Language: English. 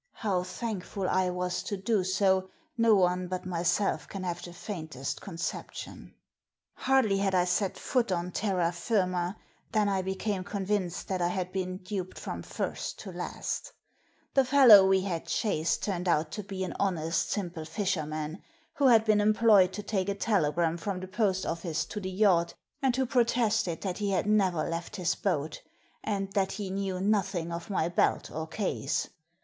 How thankful I was to do so no one but myself can have the faintest conception. " Hardly had I set foot on terra finna than I became convinced that I had been duped from first to last The fellow we had chased turned out to be an honest, simple fisherman, who had been employed to take a telegram from the post office to the yacht, and who protested that he had never left his boat, Digitized by VjOOQIC 256 THE SEEN AND THE UNSEEN and that he knew nothing of my belt or case.